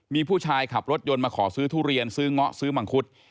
มีผู้ชายขับรถยนต์มาขอซื้อทุเรียนซื้อเงาะซื้อมังคุด